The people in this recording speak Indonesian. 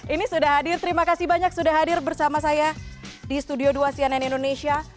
ini sudah hadir terima kasih banyak sudah hadir bersama saya di studio dua cnn indonesia